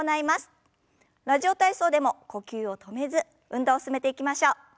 「ラジオ体操」でも呼吸を止めず運動を進めていきましょう。